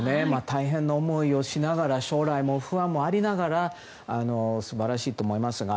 大変な思いをしながら将来も不安もありながら素晴らしいと思いますが。